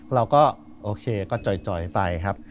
เราก็โอเคก็จ่อยไปครับ